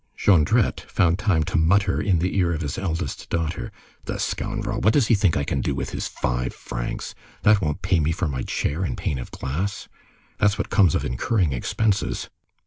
Jondrette found time to mutter in the ear of his eldest daughter:— "The scoundrel! What does he think I can do with his five francs? That won't pay me for my chair and pane of glass! That's what comes of incurring expenses!"